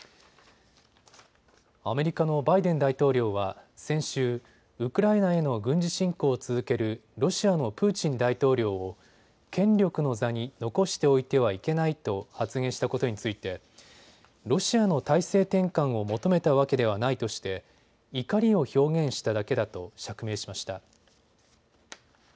アメリカのバイデン大統領は先週、ウクライナへの軍事侵攻を続けるロシアのプーチン大統領を権力の座に残しておいてはいけないと発言したことについてロシアの体制転換を求めたわけではないとして怒りを表現しただけだと釈明しました。